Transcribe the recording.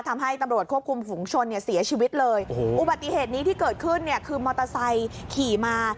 ทำให้ตำรวจควบคุมฝุงชนเนี่ยเสียชีวิตเลยโอ้โหอุบัติเหตุนี้ที่เกิดขึ้นเนี่ยคือมอเตอร์ไซค์ขี่มา